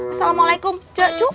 assalamualaikum ce cu